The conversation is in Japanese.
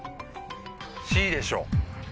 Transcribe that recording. Ｃでしょ。